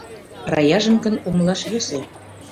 Раяжым гын, умылаш йӧсӧ.